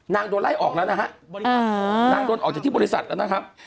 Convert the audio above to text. นางโดนไล่ออกแล้วนะฮะนางโดนออกจากที่บริษัทแล้วนะครับ